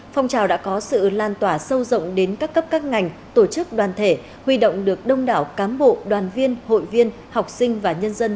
phong trào đã có sự lan tỏa sâu rộng đến các cấp các ngành tổ chức đoàn thể huy động được đông đảo cán bộ đoàn viên hội viên học sinh và nhân dân